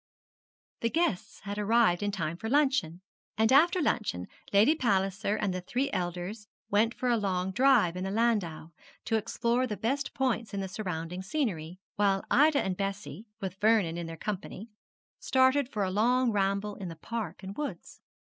The guests had arrived in time for luncheon, and after luncheon Lady Palliser and the three elders went for a long drive in the landau, to explore the best points in the surrounding scenery, while Ida and Bessie, with Vernon in their company, started for a long ramble in the Park and woods.